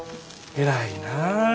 偉いなぁ。